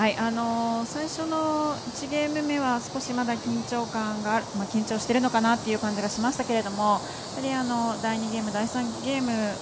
最初の１ゲーム目は少しまだ緊張してるのかなという感じがしましたが第２ゲーム、第３ゲーム